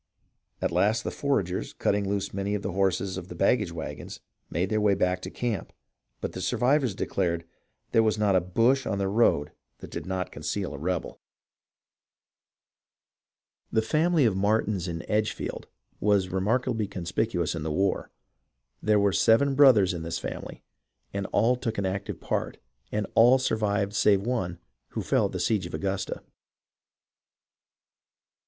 At last the foragers, cutting loose many of the horses of the baggage wagons, made their way back to camp ; but the survivors declared " there was not a bush on the road that did not conceal a rebel." 354 HISTORY OF THE AMERICAN REVOLUTION The family of Martins in Edgefield was remarkably con spicuous in the war. There were seven brothers in this family, and all took an active part, and all survived save one, who fell at the siege of Augusta.